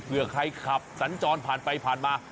เผื่อใครขับสัญจรภัณฑ์ไปมา